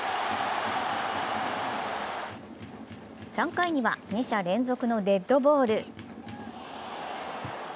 ３回には、２者連続のデッドボール。